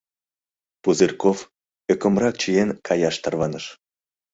Пузырьков, ӧкымрак чиен, каяш тарваныш.